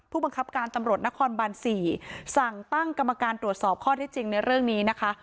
ผู้บังคับการตำรวจนครบาน๔สั่งตั้งกรรมการตรวจสอบข้อที่จริงในเรื่องนี้นะคะ